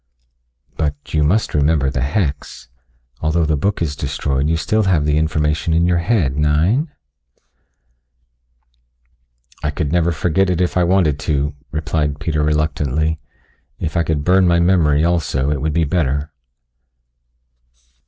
"But you must remember the hex. Although the book is destroyed you still have the information in your head, nein?" "I could never forget it if I wanted to," replied Peter reluctantly. "If I could burn my memory also it would be better."